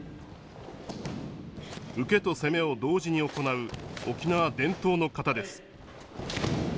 受けと攻めを同時に行う沖縄伝統の形です。